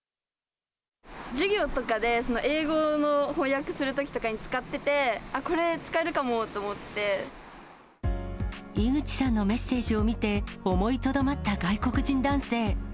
授業とかで、英語の翻訳するときとかに使ってて、あっ、井口さんのメッセージを見て、思いとどまった外国人男性。